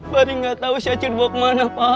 baru gak tau si acil bawa kemana pak